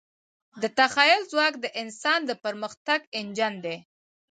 د تخیل ځواک د انسان د پرمختګ انجن دی.